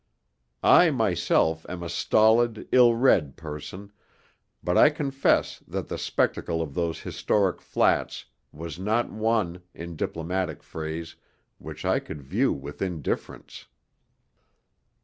I myself am a stolid, ill read person, but I confess that the spectacle of those historic flats was not one, in diplomatic phrase, which I could view with indifference.